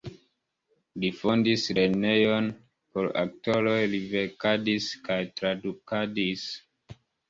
Li fondis lernejon por aktoroj, li verkadis kaj tradukadis.